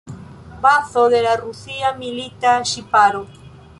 Bazo de la rusia milita ŝiparo.